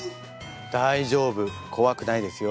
大丈夫怖くないですよ。